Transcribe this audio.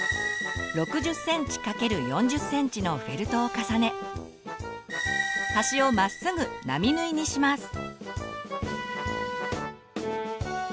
６０ｃｍ×４０ｃｍのフェルトを重ね端をまっすぐ並縫いにします。